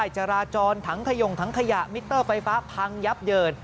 จราจรถังขยงถังขยะมิเตอร์ไฟฟ้าพังยับเยิน